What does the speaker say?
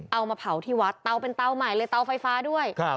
เอามาเผาที่วัดเตาเป็นเตาใหม่เลยเตาไฟฟ้าด้วย